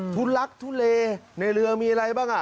ทุลักทุเลในเรือมีอะไรบ้าง